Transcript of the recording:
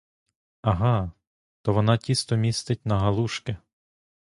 Ага: то вона тісто місить на галушки.